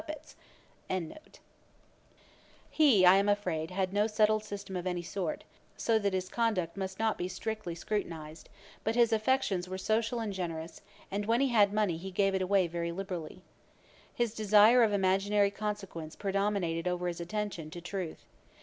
] He, I am afraid, had no settled system of any sort, so that his conduct must not be strictly scrutinised; but his affections were social and generous, and when he had money he gave it away very liberally. His desire of imaginary consequence predominated over his attention to truth.